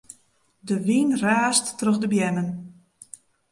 De wyn raast troch de beammen.